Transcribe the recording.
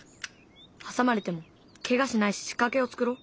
挟まれてもケガしない仕掛けを作ろう。